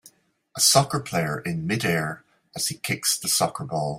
A soccer player in midair as he kicks the soccer ball